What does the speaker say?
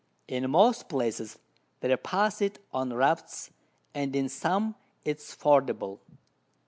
In most Places they pass it on Rafts, and in some it is fordable.